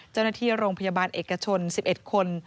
เจ้าหน้าที่โรงพยาบาลเอกชน๑๑คน